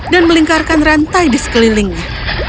dan melingkarkan rantai di sekelilingnya